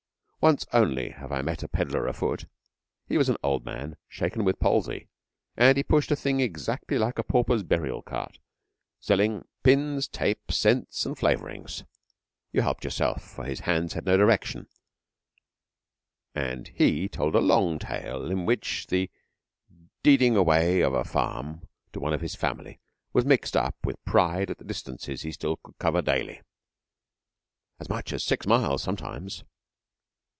Once only have I met a pedlar afoot. He was an old man, shaken with palsy, and he pushed a thing exactly like a pauper's burial cart, selling pins, tape, scents, and flavourings. You helped yourself, for his hands had no direction, and he told a long tale in which the deeding away of a farm to one of his family was mixed up with pride at the distances he still could cover daily. As much as six miles sometimes.